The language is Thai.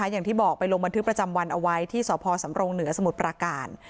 อย่างที่บอกไปลงบันทึกประจำวันเอาไว้ที่สพสำรงเหนือสมุทรปราการ